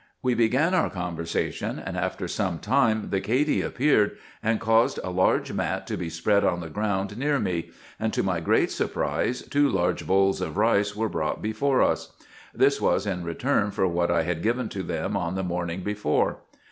We began our conversation, and, after some time, the Cady appeared, and caused a large mat to be spread on the ground near me ; and, to my great surprise, two large bowls of rice were brought before us. This was in return for what I had given to them on the morning before.